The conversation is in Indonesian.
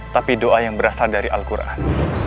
tapi doa yang berasal dari al quran